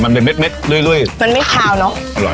มันเป็นเม็ซรื่อยมันไม่ขาวหนูอร่อย